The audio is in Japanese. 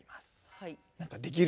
はい。